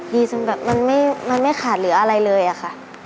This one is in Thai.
ดีจนแบบมันไม่ขาดเหลืออะไรเลยอะค่ะ